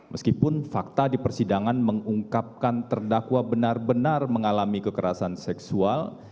meskipun fakta di persidangan mengungkapkan terdakwa benar benar mengalami kekerasan seksual